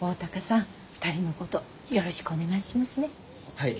はい。